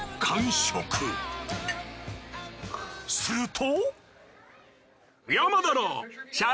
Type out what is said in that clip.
すると。